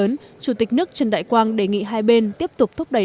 trong lúc này chủ tịch nước trần đại quang đề nghị hai bên tiếp tục thúc đẩy